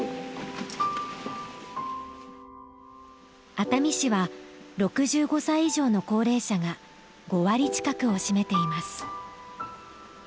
熱海市は６５歳以上の高齢者が５割近くを占めています。